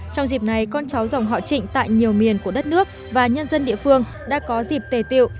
trong dịp này con cháu dòng họ trịnh tại nhiều miền của đất nước và nhân dân địa phương đã có dịp tề tiệu